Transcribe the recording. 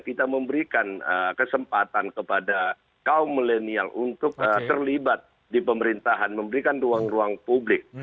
kita memberikan kesempatan kepada kaum milenial untuk terlibat di pemerintahan memberikan ruang ruang publik